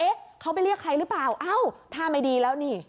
เขาไปเรียกใครหรือเปล่าเอ้าท่าไม่ดีแล้วนี่